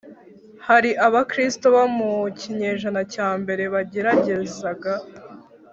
Hari Abakristo bo mu kinyejana cya mbere bageragezaga